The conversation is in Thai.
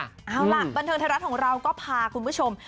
เอาล่ะบันเทิงไทยรัฐของเราก็พาคุณผู้ชม